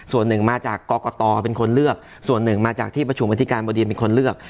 ส่วนหนึ่งมาจากกรกตเป็นคนเลือกส่วนหนึ่งมาจากที่ประชุมอธิการบดีเป็นคนเลือก